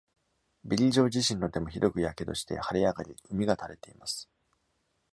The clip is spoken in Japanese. ビリー・ジョー自身の手もひどく火傷して、腫れ上がり、膿が垂れています。